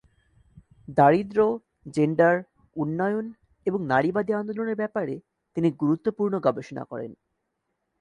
দারিদ্র্য, জেন্ডার, উন্নয়ন এবং নারীবাদী আন্দোলনের ব্যাপারে তিনি গুরুত্বপূর্ণ গবেষণা করেন।